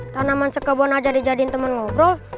tanaman sekebun aja dijadiin temen ngobrol